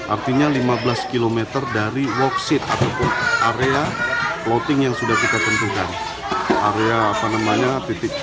artinya lima belas km dari worksheet ataupun area floating yang sudah kita tentukan area apa namanya titik